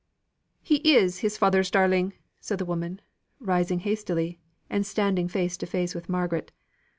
"He is his father's darling," said the woman, rising hastily, and standing face to face with Margaret.